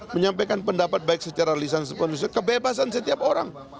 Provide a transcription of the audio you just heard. menyampaikan pendapat baik secara lisan sepenuhnya kebebasan setiap orang